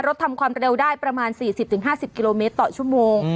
ทำความเร็วได้ประมาณ๔๐๕๐กิโลเมตรต่อชั่วโมง